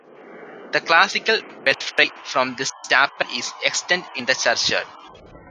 The classical belfry from this chapel is extant in the churchyard.